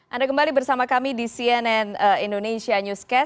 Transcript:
anda kembali bersama kami di cnn indonesia newscast